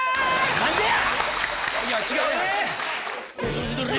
何でや⁉